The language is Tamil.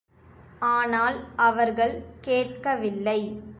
ஆனால், அவர்கள் கேட்கவில்லை.